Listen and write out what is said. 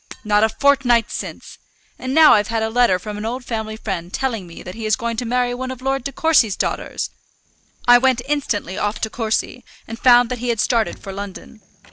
Not a fortnight since! And now I've had a letter from an old family friend telling me that he is going to marry one of Lord De Courcy's daughters! I went instantly off to Courcy, and found that he had started for London.